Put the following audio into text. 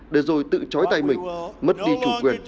để rồi tự chói tay mình mất đi chủ quyền